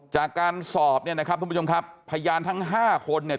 จากการสอบเนี่ยนะครับทุกผู้ชมครับพยานทั้ง๕คนเนี่ย